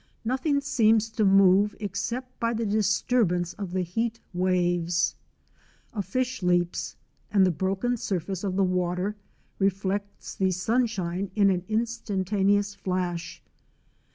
Nothing seems to move except by the disturbance of the heat waves. A fish leaps, and the broken surface of the water reflects the sunshine in an instantaneous flash.